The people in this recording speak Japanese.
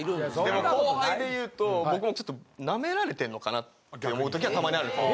でも後輩で言うと僕もちょっと。って思う時はたまにあるんですよ。